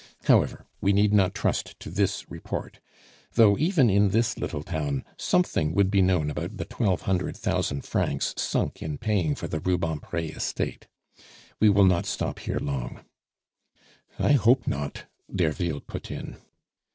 However, we need not trust to this report; though even in this little town something would be known about the twelve hundred thousand francs sunk in paying for the Rubempre estate. We will not stop here long " "I hope not!" Derville put in.